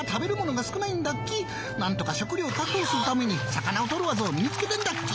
なんとか食料を確保するために魚をとる技を身につけたんだッキ。